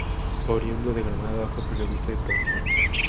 Oriundo de Granada, fue periodista de profesión.